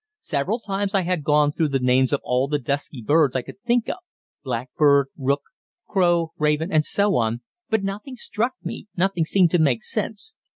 Several times I had gone through the names of all the 'dusky birds' I could think of blackbird, rook, crow, raven, and so on, but nothing struck me, nothing seemed to make sense.